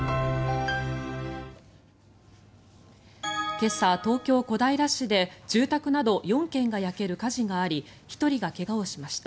今朝、東京・小平市で住宅など４軒が焼ける火事があり１人が怪我をしました。